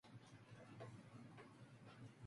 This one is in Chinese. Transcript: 维耶于佐。